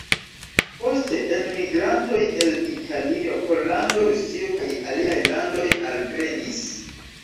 Poste enmigrantoj el Italio, Pollando, Rusio kaj aliaj landoj alvenis.